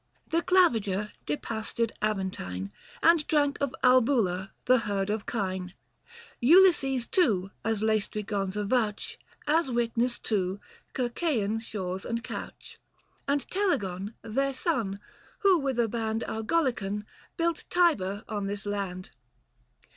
The Claviger depastured Aventine, 75 And drank of Albula the herd of kine. Ulysses, too, as Lsestrygons avouch, As witness, too, Circsean shores and couch, And Telegon their son ; who with a band Argolican, built Tibur on this land.